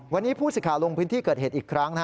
วันนี้ผู้สิทธิ์ลงพื้นที่เกิดเหตุอีกครั้ง